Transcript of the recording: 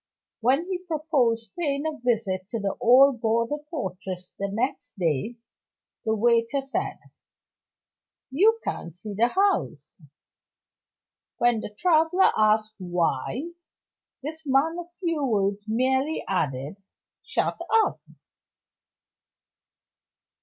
When he proposed paying a visit to the old border fortress the next day, the waiter said: "You can't see the house." When the traveler asked Why, this man of few words merely added: "Shut up."